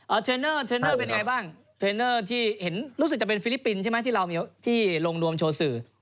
เทรนเนอร์เทรนเนอร์เป็นไงบ้างเทรนเนอร์ที่เห็นรู้สึกจะเป็นฟิลิปปินส์ใช่ไหมที่เราที่ลงรวมโชว์สื่อ